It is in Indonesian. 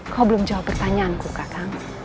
kau belum jawab pertanyaanku kakak